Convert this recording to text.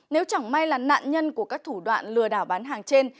nếu chẳng may là nạn nhân của các thủ đoạn lừa đảo bán hàng trên